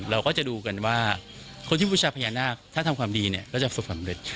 เราก็จะดูกันว่าคนที่บูชาพญานาคถ้าทำความดีเนี่ยก็จะฝึกสำเร็จ